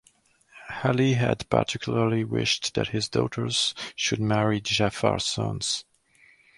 Ali had particularly wished that his daughters should marry Ja'far's sons.